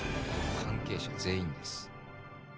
「関係者全員です」